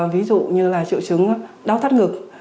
ví dụ như là triệu chứng đau thắt ngực